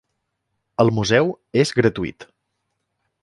El Museu és gratuït.